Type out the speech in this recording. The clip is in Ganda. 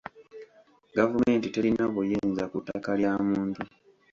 Gavumenti terina buyinza ku ttaka lya muntu.